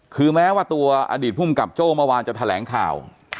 คือแม้ว่าตัวอดีตภูมิกับโจ้เมื่อวานจะแถลงข่าว